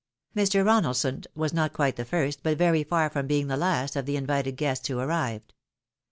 ' Mr. Ronaldson was not quite the first, but very far from being the last, of the invited guests who arrived.